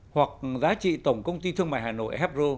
hoặc giá trị tổng công ty thương mại hà nội hepro